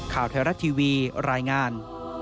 ข่าวไทยรัฐทีวีรายงาน